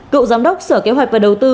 cựu giám đốc sở kế hoạch và đầu tư